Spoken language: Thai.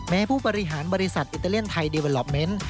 แม้ผู้บริหารบริษัทอิตาเลียนไทยเดเวลอปเมนต์